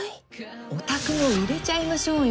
お宅も入れちゃいましょうよ